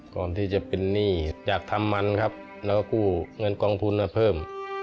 ก่อนที่จะเป็นหนี้อยากทำมันครับแล้วก็กู้เงินกองทุนมาเพิ่ม